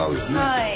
はい。